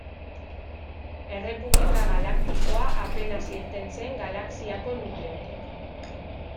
Errepublika Galaktikoa apenas irten zen galaxiako nukleotik.